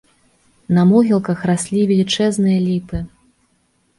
На могілках раслі велічэзныя ліпы.